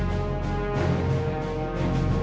สวัสดีครับ